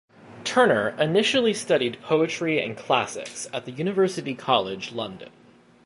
Turner initially studied poetry and classics at the University College London.